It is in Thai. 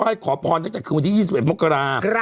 ขอพรตั้งแต่คืนวันที่๒๑มกรา